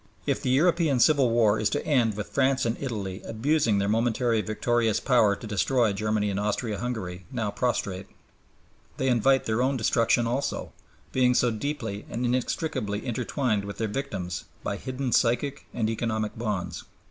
If the European Civil War is to end with France and Italy abusing their momentary victorious power to destroy Germany and Austria Hungary now prostrate, they invite their own destruction also, being so deeply and inextricably intertwined with their victims by hidden psychic and economic bonds.